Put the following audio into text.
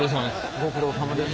ご苦労さまです。